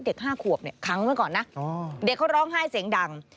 ๕ขวบเนี่ยค้างไว้ก่อนนะเด็กเขาร้องไห้เสียงดัง